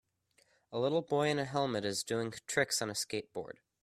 A little boy in a helmet is doing tricks on a skateboard.